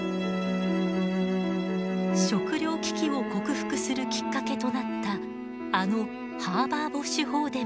食糧危機を克服するきっかけとなったあのハーバー・ボッシュ法でも。